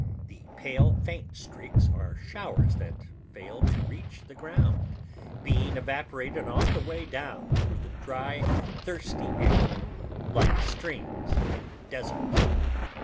The pale, faint streaks are showers that fail to reach the ground, being evaporated on the way down through the dry, thirsty air, like streams in deserts.